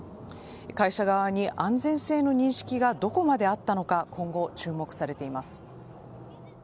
会社側に安全性の認識がどこまであったのか今後、注目されています。